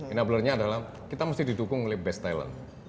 enabler nya adalah kita mesti didukung oleh best talent